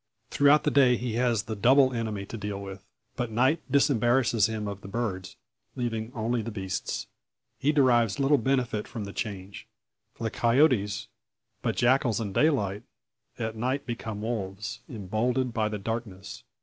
Throughout the day he has the double enemy to deal with. But night disembarrasses him of the birds, leaving only the beasts. He derives little benefit from the change; for the coyotes, but jackals in daylight, at night become wolves, emboldened by the darkness.